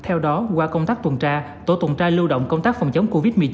theo đó qua công tác tuần tra tổ tuần tra lưu động công tác phòng chống covid một mươi chín